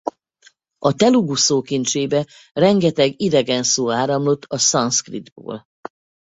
A telugu szókincsébe rengeteg idegen szó áramlott a szanszkritból.